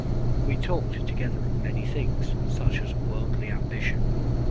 We talked together of many things, such as worldly ambition.